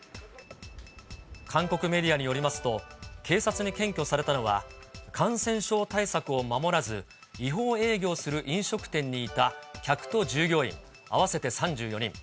韓国メディアによりますと、警察に検挙されたのは、感染症対策を守らず、違法営業する飲食店にいた客と従業員合わせて３４人。